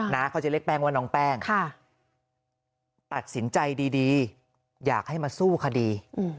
เขาจะเรียกแป้งว่าน้องแป้งตัดสินใจดีอยากให้มาสู้คดี